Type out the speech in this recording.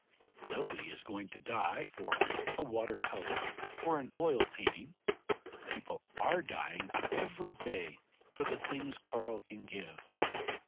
Nobody is going to die for a water colour or an oil painting; people are dying every day for the things Karl can give.